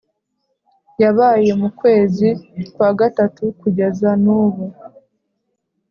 yabaye mu kwezi kwa gatatu kugeza nubu